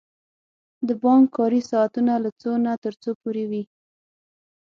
د بانک کاری ساعتونه له څو نه تر څو پوری وی؟